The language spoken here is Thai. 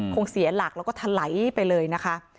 เสียหลักแล้วก็ทะไหลไปเลยนะคะ